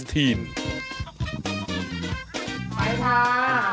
สวัสดีค่ะ